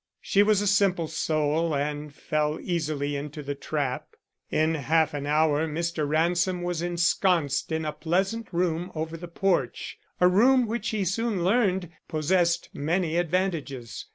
She was a simple soul and fell easily into the trap. In half an hour Mr. Ransom was ensconced in a pleasant room over the porch, a room which he soon learned possessed many advantages.